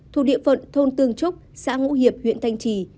thuộc địa phận thôn tương trúc xã ngũ hiệp huyện thanh trì